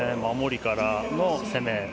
守りからの攻め。